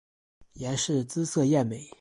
阎氏姿色艳美。